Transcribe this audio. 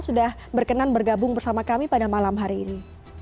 sudah berkenan bergabung bersama kami pada malam hari ini